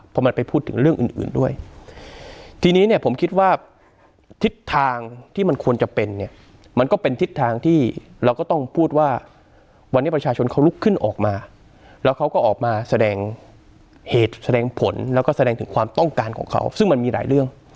พอมันไปพูดถึงเรื่องอื่นอื่นด้วยทีนี้เนี่ยผมคิดว่าทิศทางที่มันควรจะเป็นเนี่ยมันก็เป็นทิศทางที่เราก็ต้องพูดว่าวันนี้ประชาชนเขาลุกขึ้นออกมาแล้วเขาก็ออกมาแสดงเหตุแสดงผลแล้วก็แสดงถึงความต้องการของเขาซึ่งมันมีหลายเรื่อง